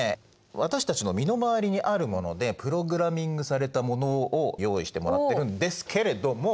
私たちの身の回りにあるものでプログラミングされたものを用意してもらってるんですけれども。